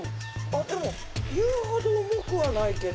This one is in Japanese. でも言うほど重くはないけど。